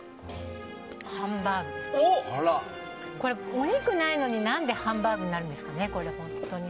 お肉ないのに何でハンバーグになるんですかね。